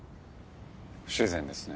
不自然ですね。